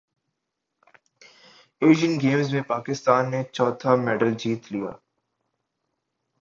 Asian games میں پاکستان نے چوتھا میڈل جیت لیا